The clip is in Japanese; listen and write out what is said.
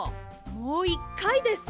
もう１かいです！